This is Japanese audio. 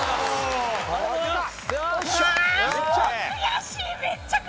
ありがとうございます！